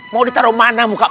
mau ditaruh mana muka pak de